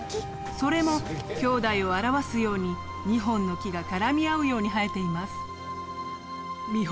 それも兄弟を表すように２本の木が絡み合うように生えています。